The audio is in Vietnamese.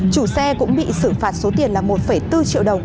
chủ xe cũng bị xử phạt số tiền là một bốn triệu đồng